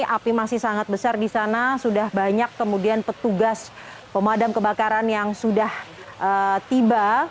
api masih sangat besar di sana sudah banyak kemudian petugas pemadam kebakaran yang sudah tiba